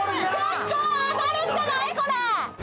結構上がるんじゃない、これ！？